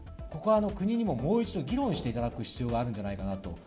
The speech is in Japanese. ここは国にももう一度、議論していただく必要があるんじゃないかなと。